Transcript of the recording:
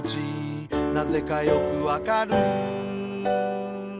「なぜかよくわかる」